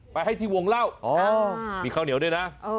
ไปให้ที่วงเล่ามีข้าวเหนียวด้วยนะ